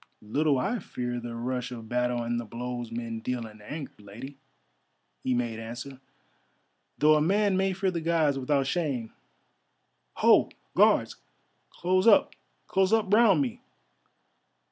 "Little I fear the rush of battle and the blows men deal in anger, Lady," he made answer, "though a man may fear the Gods without shame. Ho, Guards! close up, close up round me!